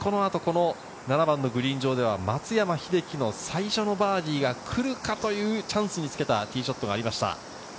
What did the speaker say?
グリーン上では松山英樹の最初のバーディーが来るかというチャンスにつけたティーショットがありました。